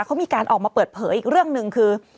เขามีการออกมาเปิดเผยอีกเรื่องหนึ่งคือ